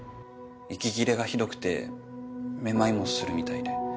息切れがひどくて目まいもするみたいで。